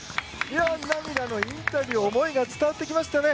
涙のインタビュー思いが伝わってきましたね。